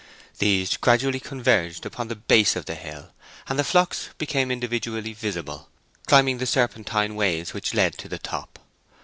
These gradually converged upon the base of the hill, and the flocks became individually visible, climbing the serpentine ways which led to the top.